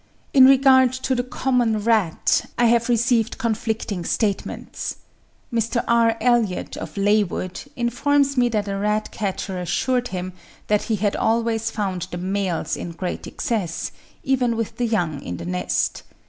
In regard to the common rat, I have received conflicting statements. Mr. R. Elliot, of Laighwood, informs me that a rat catcher assured him that he had always found the males in great excess, even with the young in the nest.